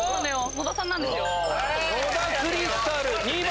野田さんなんですよ。